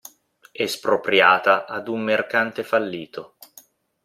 Espropriata ad un mercante fallito.